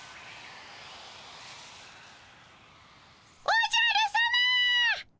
おじゃるさま！